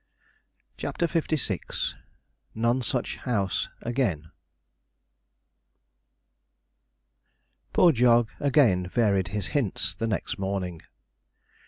CHAPTER LVI NONSUCH HOUSE AGAIN Poor Jog again varied his hints the next morning.